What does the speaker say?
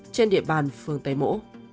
trên địa bàn phường tây mỗ